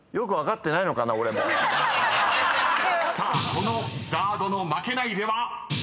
［このＺＡＲＤの『負けないで』はリアルか？